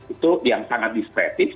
itu yang sangat distretik